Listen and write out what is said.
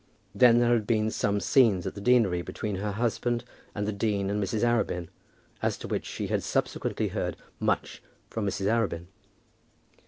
Then there had been some scenes at the deanery between her husband and the dean and Mrs. Arabin, as to which she had subsequently heard much from Mrs. Arabin.